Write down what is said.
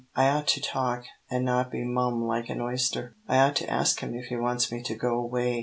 I ought to talk, an' not be mum like an oyster. I ought to ask him if he wants me to go 'way.